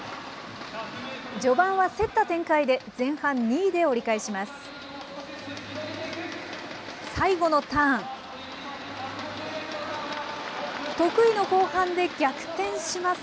序盤は競った展開で、前半２位で折り返します。